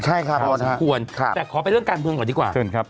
ใช่ครับพอสมควรแต่ขอไปเรื่องการเมืองก่อนดีกว่าเชิญครับ